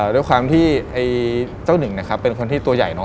ด้วยความที่เจ้าหนึ่งเป็นคนที่ตัวใหญ่